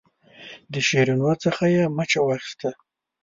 د شیرینو څخه یې مچه واخیسته.